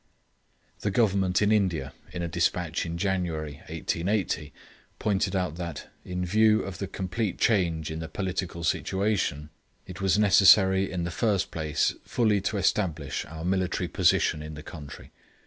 The Government of India, in a despatch in January, 1880, pointed out that, in view of the complete change in the political situation, it was necessary, in the first place, fully to establish our military position in the country.